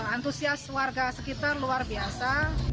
antusias warga sekitar luar biasa